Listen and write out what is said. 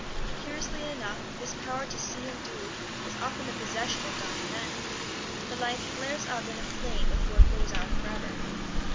Curiously enough, this power to see and do is often the possession of dying men. The life flares up in a flame before it goes out forever.